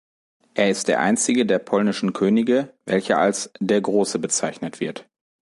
Er ist der einzige der polnischen Könige, welcher als „der Große“ bezeichnet wird.